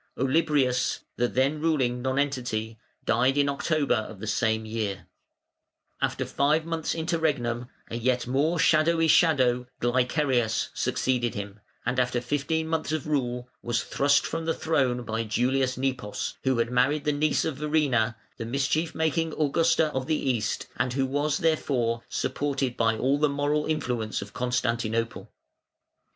Olybrius, the then reigning nonentity, died in October of the same year. (June, 474) After five months' interregnum, a yet more shadowy shadow, Glycerius, succeeded him, and after fifteen months of rule was thrust from the throne by Julius Nepos, who had married the niece of Verina, the mischief making Augusta of the East, and who was, therefore, supported by all the moral influence of Constantinople.